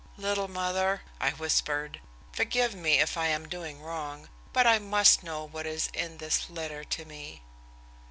"Little mother," I whispered, "forgive me if I am doing wrong, but I must know what is in this letter to me."